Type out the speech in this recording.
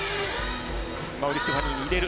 馬瓜ステファニーに入れる。